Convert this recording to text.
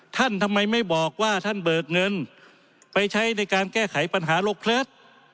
ทำไมไม่บอกว่าท่านเบิกเงินไปใช้ในการแก้ไขปัญหาโรคเลิศ